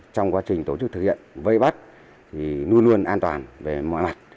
trong quá trình tổ chức thực hiện vây bắt thì luôn luôn an toàn về mọi mặt